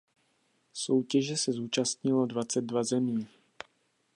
Soutěže se zúčastnilo dvacet dva zemí.